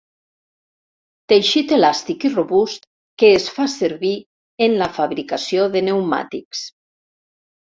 Teixit elàstic i robust que es fa servir en la fabricació de pneumàtics.